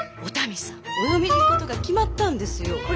お民さんお嫁に行くことが決まったんですよ。